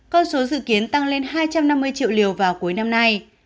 con số dự kiến tăng lên hai trăm năm mươi triệu liều vào cuối năm nay